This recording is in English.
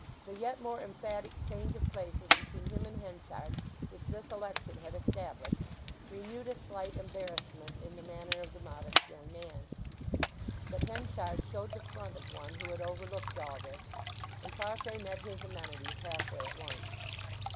The yet more emphatic change of places between him and Henchard which this election had established renewed a slight embarrassment in the manner of the modest young man; but Henchard showed the front of one who had overlooked all this; and Farfrae met his amenities half way at once.